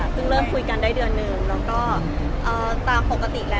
เริ่มคุยกันได้เดือนนึงแล้วก็ตามปกติแล้ว